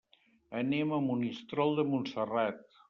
Anem a Monistrol de Montserrat.